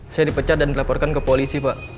saya dipecat dan dilaporkan ke polisi pak